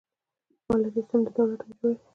مالیاتي سیستم د دولت عاید جوړوي.